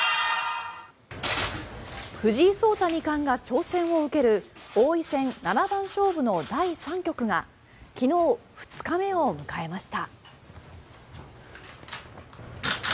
藤井聡太二冠が挑戦を受ける王位戦七番勝負の第３局が昨日、２日目を迎えました。